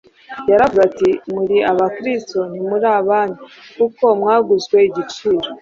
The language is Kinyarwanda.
Yaravuze ati: “Muri aba Kristo, ntimuri abanyu ... kuko mwaguzwe igiciro.